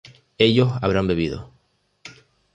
ellos habrán bebido